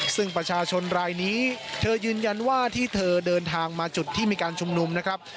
ซึ่งประชาชนรายนี้เธอยืนยันว่าที่เธอเดินทางมาจุดที่มีการชุมนุมนะครับ